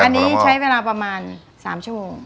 อันนี้ใช้เวลาประมาณ๓ชั่วโมง